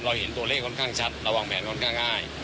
เห็นตัวเลขค่อนข้างชัดเราวางแผนค่อนข้างง่าย